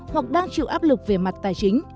hoặc đang chịu áp lực về mặt tài chính